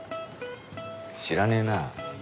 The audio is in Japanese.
知らねえな。